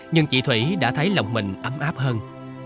nhưng chị thủy đã thấy lòng mình ấm áp hơn